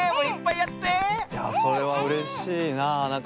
いやそれはうれしいな。